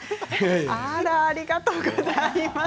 あら、ありがとうございます。